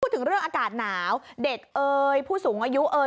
พูดถึงเรื่องอากาศหนาวเด็กเอ่ยผู้สูงอายุเอ่